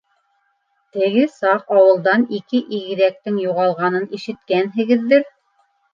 Теге саҡ ауылдан ике игеҙәктең юғалғанын ишеткәнһегеҙҙер?